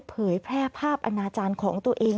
เผยแพร่ภาพอนาจารย์ของตัวเอง